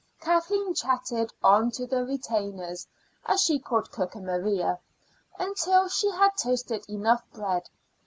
Kathleen chatted on to the retainers, as she called cook and Maria, until she had toasted enough bread.